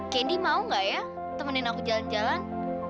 kendi mau nggak ya temenin aku jalan jalan